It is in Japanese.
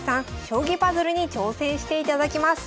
将棋パズルに挑戦していただきます